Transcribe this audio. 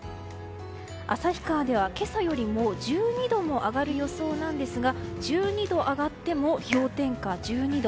旭川では、今朝よりも１２度も上がる予想なんですが１２度上がっても氷点下１２度。